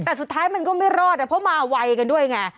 แต่สุดท้ายมันก็ไม่รอดเพราะมาไวกันด้วยไง